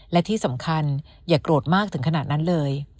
และที่สำคัญอย่าโกรธมากถึงขนาดนั้นเลย